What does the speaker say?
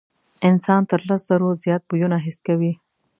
انسان تر لس زرو زیات بویونه حس کوي.